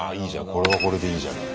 これはこれでいいじゃない。